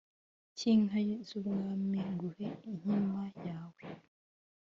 cy’inka z’umwami nguhe inkima yawe,